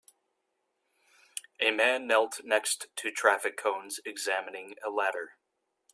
a man knelt next to traffic cones examining a ladder.